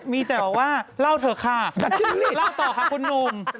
มีแต่ว่าเล่าเถอะค่ะดัดจริดเล่าต่อค่ะคุณนุ่ม